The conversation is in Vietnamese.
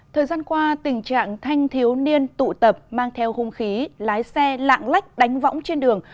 thời gian qua tình trạng thanh thiếu niên tụ tập mang theo hung khí lái xe lạng lách đánh võng trên đường